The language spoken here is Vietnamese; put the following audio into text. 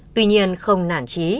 tuy nhiên không nản trí